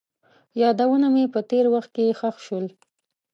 یادونه مې په تېر وخت کې ښخ شول.